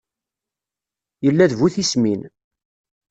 Yella d bu tismin